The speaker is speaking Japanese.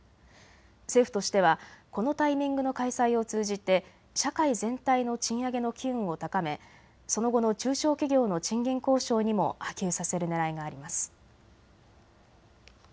政府としてはこのタイミングの開催を通じて社会全体の賃上げの機運を高め、その後の中小企業の賃金交渉にも波及させるねらいがあります。